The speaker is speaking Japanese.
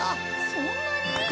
そんなに？